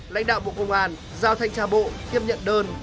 lãnh đạo bộ công an giao thanh tra bộ tiếp nhận đơn